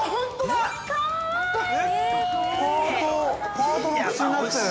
ハートの口になってる。